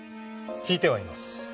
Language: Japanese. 聞いてはいます。